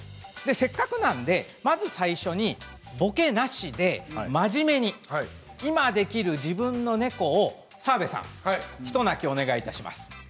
せっかくなのでまず最初にぼけなしで真面目に今できる自分の猫を澤部さん一鳴きお願いします。